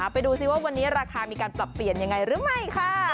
ไปดูว่าวันนี้ราคาจะมีการปรับเปลี่ยนอย่างไรรึไหม